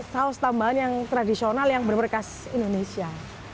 saus tambahan yang tradisional yang bermerkas indonesia